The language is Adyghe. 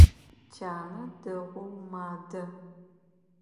Тянэ дэгъоу мадэ.